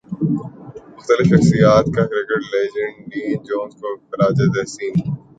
مختلف شخصیات کا کرکٹ لیجنڈ ڈین جونز کو خراج تحسین